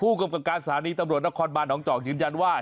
ผู้กรรมการสถานีตำรวจนครบาลหนองจอกยืนยันว่า